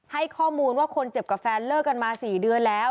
ให้ข้อมูลว่าคนเจ็บกับแฟนเลิกกันมา๔เดือนแล้ว